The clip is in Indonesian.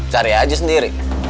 cari aja sendiri